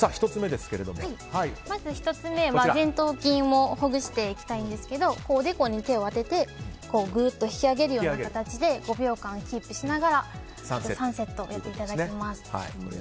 まず１つ目は前頭筋をほぐしていきたいんですけどおでこに手を当ててぐっと引き上げるような形で５秒間キープしながら３セットやっていただきます。